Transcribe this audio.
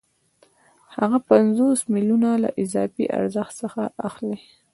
هغه پنځوس میلیونه له اضافي ارزښت څخه اخلي